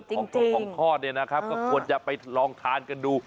ของทอดเนี่ยนะครับก็ควรจะไปลองทานกันดู